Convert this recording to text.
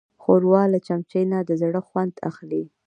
ښوروا له چمچۍ نه د زړه خوند اخلي.